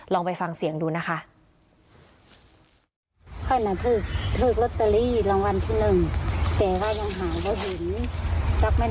ลองไปฟังเสียงดูนะคะ